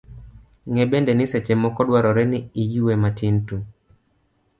Ng'e bende ni seche moko dwarore ni iyue matin tu.